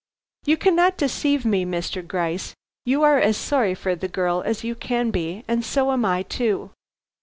"You cannot deceive me, Mr. Gryce; you are as sorry for the girl as you can be; and so am I too.